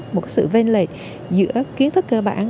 một sự vên lệ giữa kiến thức cơ bản